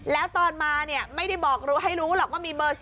แล้วตอนมาเนี่ยไม่ได้บอกให้รู้หรอกว่ามีเบอร์๔